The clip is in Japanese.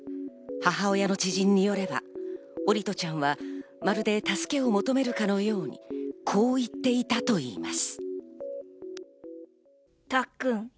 母親の知人によれば、桜利斗ちゃんはまるで助けを求めるかのように、こう言っていたといいます。